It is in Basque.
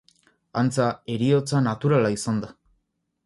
Antza, heriotza naturala izan da.